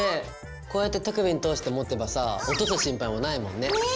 こうやって手首に通して持てばさ落とす心配もないもんね。ね！